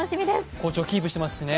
好調をキープしてますしね。